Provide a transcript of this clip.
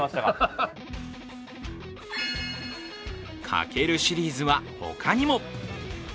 かけるシリーズは他にも。